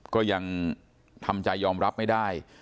ก็ยังทำใจยอมรับไม่ได้